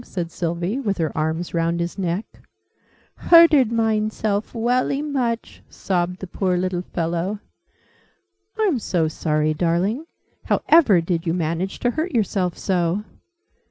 said Sylvie, with her arms round his neck. "Hurted mine self welly much!" sobbed the poor little fellow. "I'm so sorry, darling! How ever did you manage to hurt yourself so?"